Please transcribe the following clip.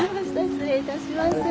失礼いたします。